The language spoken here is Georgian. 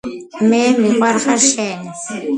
მე მიყვარხარ შენ